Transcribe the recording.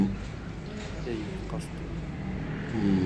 Эйе, ҡасты!